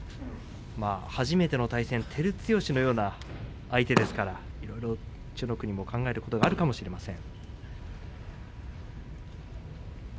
初めての対戦、照強のような相手ですからいろいろと千代の国も考えることがあるかもしれません。